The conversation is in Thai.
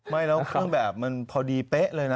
ไม่แล้วเครื่องแบบมันพอดีเป๊ะเลยนะ